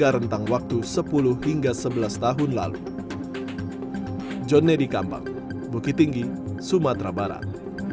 tentang waktu sepuluh hingga sebelas tahun lalu jonneddy kampang bukit tinggi sumatera barat